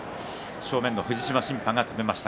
正面の藤島審判が止めました。